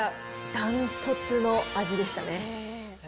ダントツの味でしたね。